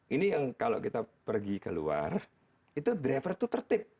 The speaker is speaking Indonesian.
ini yang kalau kita pergi keluar itu driver itu tertib